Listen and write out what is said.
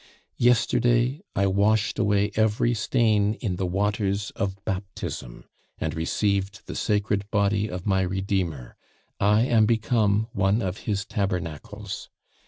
Yesterday I washed away every stain in the waters of baptism, and received the Sacred Body of my Redeemer; I am become one of His tabernacles.